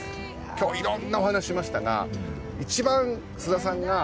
今日いろんなお話しましたが。